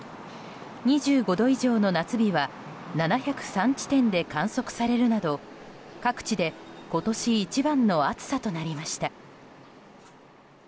２５度以上の夏日は７０３地点で観測されるなど各地で今年一番の暑さとなりました。